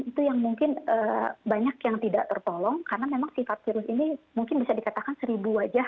itu yang mungkin banyak yang tidak tertolong karena memang sifat virus ini mungkin bisa dikatakan seribu wajah